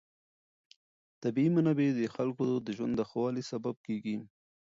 طبیعي منابع د خلکو د ژوند د ښه والي سبب کېږي.